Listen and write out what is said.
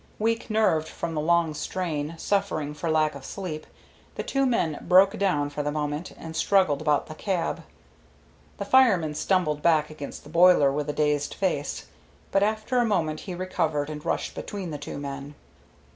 Weak nerved from the long strain, suffering for lack of sleep, the two men broke down for the moment, and struggled about the cab. The fireman stumbled back against the boiler with a dazed face, but after a moment he recovered and rushed between the two men.